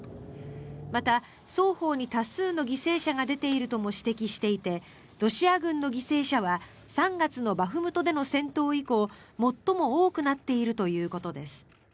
また、双方に多数の犠牲者が出ているとも指摘していてロシア軍の犠牲者は３月のバフムトでの戦闘以降最も多くなっているということです。